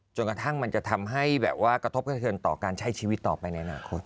จนกระทั่งมันจะทำให้แบบว่ากระทบกระเทือนต่อการใช้ชีวิตต่อไปในอนาคต